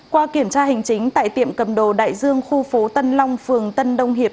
qua kiểm tra hành chính tại tiệm cầm đồ đại dương khu phố tân long phường tân đông hiệp